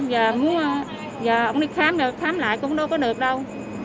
giờ muốn giờ ổng đi khám rồi khám lại cũng đâu có được đâu